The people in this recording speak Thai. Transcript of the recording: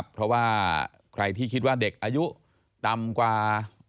เพราะว่าใครที่คิดว่าเด็กอายุต่ำกว่า